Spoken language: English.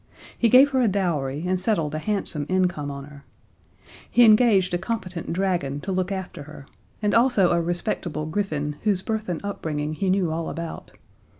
He gave her a dowry, and settled a handsome income on her. He engaged a competent dragon to look after her, and also a respectable griffin whose birth and upbringing he knew all about.